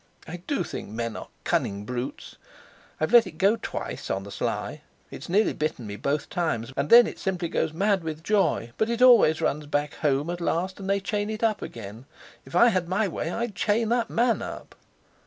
I do think men are cunning brutes. I've let it go twice, on the sly; it's nearly bitten me both times, and then it goes simply mad with joy; but it always runs back home at last, and they chain it up again. If I had my way, I'd chain that man up."